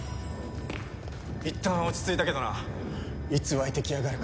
いったん落ち着いたけどないつ湧いてきやがるか。